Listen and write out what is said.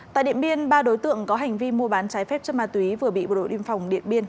tại điện biên ba đối tượng có hành vi mua bán trái phép chất ma túy vừa bị bộ đội biên phòng điện biên